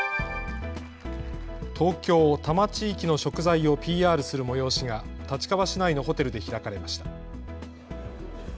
東京多摩地域の食材をＰＲする催しが立川市内のホテルで開かれました。